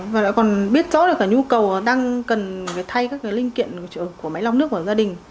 và lại còn biết rõ được cái nhu cầu đang cần thay các cái linh kiện của máy lọc nước của gia đình